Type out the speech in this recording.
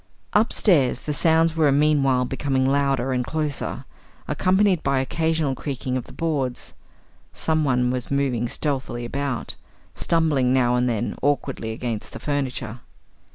Upstairs, the sounds were meanwhile becoming louder and closer, accompanied by occasional creaking of the boards. Someone was moving stealthily about, stumbling now and then awkwardly against the furniture.